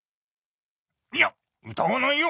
いや歌わないよ！